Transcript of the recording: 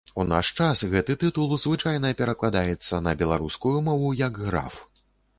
У наш час гэты тытул звычайна перакладаецца на беларускую мову як граф.